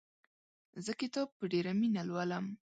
زه کتاب په ډېره مینه لولم.